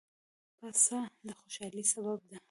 پسه د خوشحالۍ سبب دی.